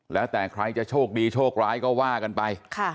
แล้วแต่ใครจะโชคดีโชคร้ายก็ว่ากันไป